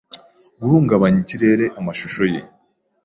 guhungabanya ikirere amashusho ye